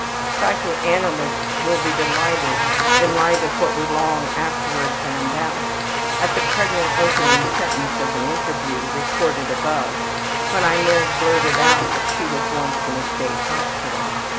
Psychoanalysts will be delighted, in the light of what we long afterward found out, at the pregnant opening sentence of an interview, recorded above, when Inez blurted out that she was once in a State hospital.